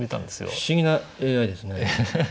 不思議なＡＩですね。